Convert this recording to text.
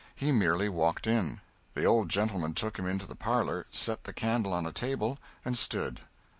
He merely walked in. The old gentleman took him into the parlor, set the candle on a table, and stood.